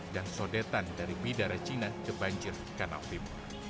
dan sodetan dari bidara cina ke banjir kanaupim